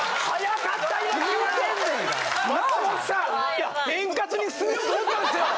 いや円滑に進めようと思ったんですよ。